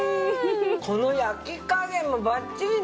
この焼き加減もバッチリですね。